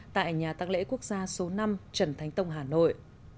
tại nhà tăng lễ quốc gia số năm trần thánh tông hà nội